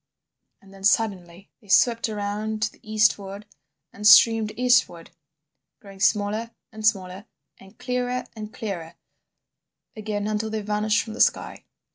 And then suddenly they swept round to the eastward and streamed eastward, growing smaller and smaller and clearer and clearer again until they vanished from the sky.